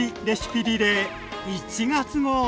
レシピリレー」１月号！